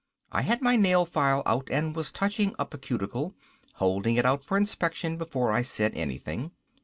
I had my nail file out and was touching up a cuticle, holding it out for inspection before I said anything.